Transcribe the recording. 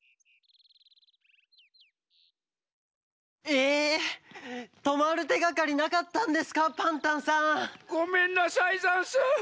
えとまるてがかりなかったんですかパンタンさん。ごめんなさいざんす。